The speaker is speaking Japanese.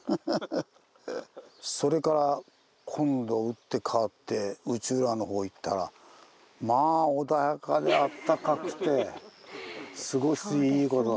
それから今度打って変わって内浦のほう行ったらまあ穏やかであったかくて過ごしいいこと。